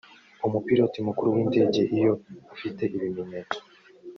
umupilote mukuru w indege iyo afite ibimenyetso